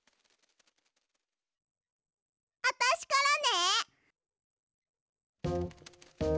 あたしからね！